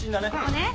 ここね。